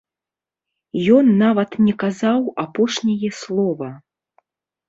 Ён нават не казаў апошняе слова.